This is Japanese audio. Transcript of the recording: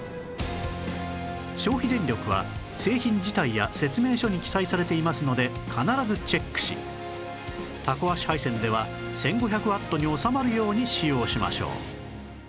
消費電力は製品自体や説明書に記載されていますので必ずチェックしたこ足配線では１５００ワットに収まるように使用しましょう